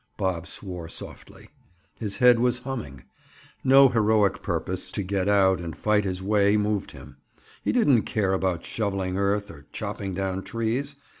Bob swore softly. His head was humming. No heroic purpose to get out and fight his way moved him. He didn't care about shoveling earth, or chopping down trees.